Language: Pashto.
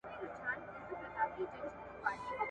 د نرمغالي دپاره مي په کڅوڼي کي نوي کوډونه ولیکل.